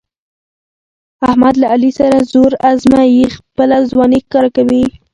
احمد له علي سره زور ازمیي، خپله ځواني ښکاره کوي.